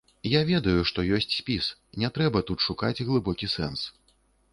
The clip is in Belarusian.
Я ведаю, што ёсць спіс, не трэба тут шукаць глыбокі сэнс.